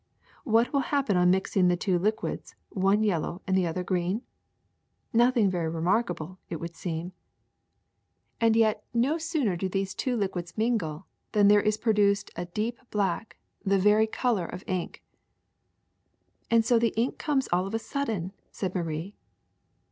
What will happen on mixing the two liquids, one yellow and the other green 1 Nothing very remarkable, it would seem. And yet no sooner do these two liquids DYEING AND PRINTING 67 mingle than there is produced a deep black, the very color of ink/^ ^'And so the ink comes all of a sudden/' said Marie.